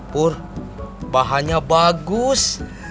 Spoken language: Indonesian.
pur bahannya bagus